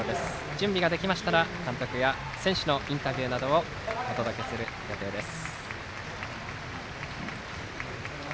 準備ができましたら監督や選手のインタビューをお届けする予定です。